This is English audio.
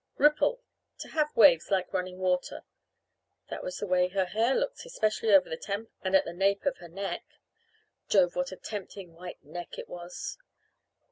"'Ripple to have waves like running water.'" (That was just the way her hair looked, especially over the temples and at the nape of her neck Jove, what a tempting white neck it was!)